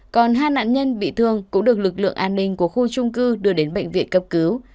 còn hai nạn nhân bị thương cũng được lực lượng an ninh của khu trung cư đưa đến bệnh viện cấp cứu